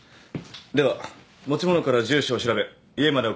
では持ち物から住所を調べ家まで送っていきます。